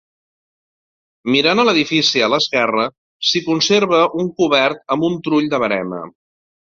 Mirant a l'edifici a l'esquerra, s'hi conserva un cobert amb un trull de verema.